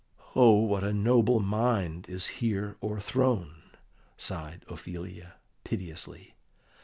"Oh, what a noble mind is here o'erthrown!" sighed Ophelia piteously.